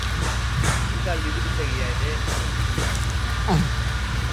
Udal liburutegia ere erabiltzen da.